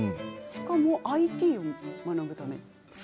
しかもＩＴを学ぶため。